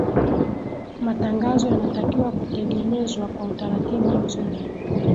matangazo yanatakiwa kutegenezwa kwa utaratibu mzuri